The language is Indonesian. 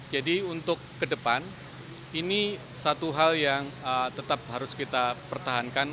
jadi untuk ke depan ini satu hal yang tetap harus kita pertahankan